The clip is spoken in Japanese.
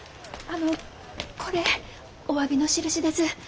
あのこれおわびのしるしです。